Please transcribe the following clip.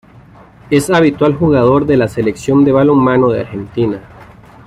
Es habitual jugador de la Selección de Balonmano de Argentina.